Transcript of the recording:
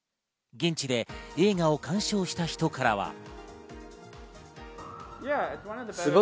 現地で映画を鑑賞した人からは。